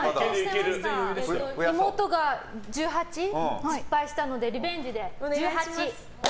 妹が１８で失敗したのでリベンジで、１８。